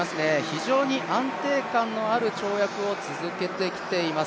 非常に安定感のある跳躍を続けてきています。